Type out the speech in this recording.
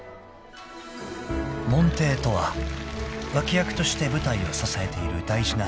［門弟とは脇役として舞台を支えている大事な存在］